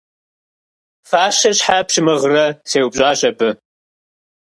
– Фащэ щхьэ пщымыгърэ? – сеупщӀащ абы.